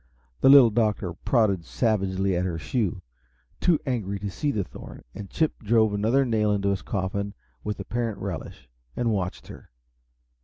The Little Doctor prodded savagely at her shoe, too angry to see the thorn, and Chip drove another nail into his coffin with apparent relish, and watched her.